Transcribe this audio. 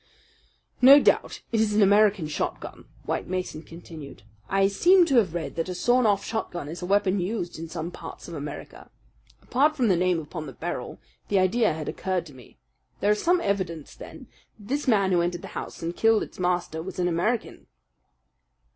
"No doubt it is an American shotgun," White Mason continued. "I seem to have read that a sawed off shotgun is a weapon used in some parts of America. Apart from the name upon the barrel, the idea had occurred to me. There is some evidence then, that this man who entered the house and killed its master was an American."